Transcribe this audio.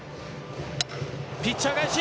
ピッチャー返し。